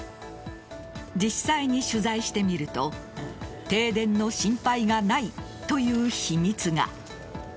実際に取材してみると停電の心配がないという秘密が。